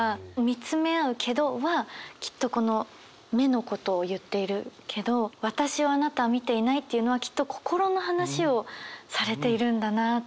「見つめ合うけど」はこの目のことを言っているけど「わたしをあなたは見ていない」っていうのはきっと心の話をされているんだなっていう。